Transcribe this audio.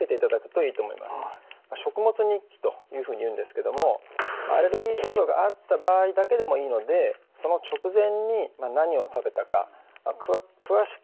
食物日記というふうにいうんですけどもアレルギー症状があった場合だけでもいいのでその直前に何を食べたか詳しくメモを残していただくといいと思います。